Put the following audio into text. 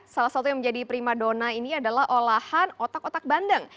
salah satu yang menjadi prima dona ini adalah olahan otak otak bandeng